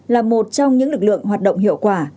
là một trong những lực lượng hoạt động hiệu quả